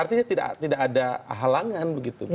artinya tidak ada halangan